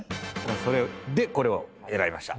それでこれを選びました。